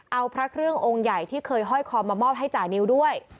เอาพระเครื่ององค์ใหญ่ที่เคยห้อยคอมามอบให้จานิวด้วย